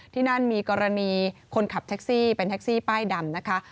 ที่นั่นมีกรณีคนขับแท็กซี่เป็นแท็กซี่ป้ายดำนะคะ